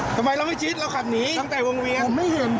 ทำไมเราไม่ชิดเราขับหนีตั้งแต่วงเวียนผมไม่เห็น